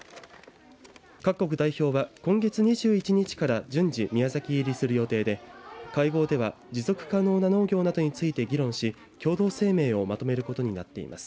各国代表は、今月２１日から順次、宮崎入りする予定で会合では持続可能な農業などについて議論し共同声明をまとめることになっています。